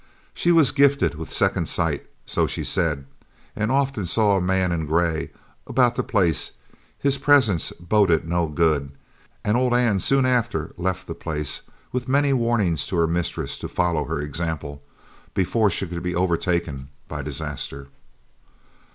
She was gifted with second sight, so she said, and often saw a man in grey about the place; his presence "boded no good," and old Anne soon after left the place, with many warnings to her mistress to follow her example, before she could be overtaken by disaster.